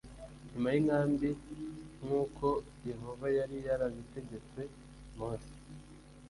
inyuma y inkambi n nk uko Yehova yari yarabitegetse Mose